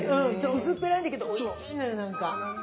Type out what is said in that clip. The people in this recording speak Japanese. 薄っぺらいんだけどおいしいのよなんか。